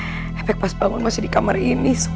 efek pas bangun masih di kamar ini